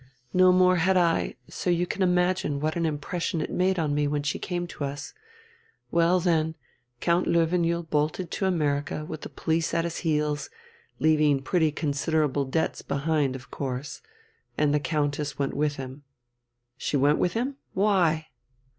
"No more had I; so you can imagine what an impression it made on me when she came to us. Well, then, Count Löwenjoul bolted to America with the police at his heels, leaving pretty considerable debts behind of course. And the Countess went with him." "She went with him? Why?"